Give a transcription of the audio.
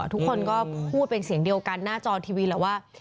ทุกคนก็พูดเป็นเสียงเดียวกันหน้าจอทีวีแหละว่า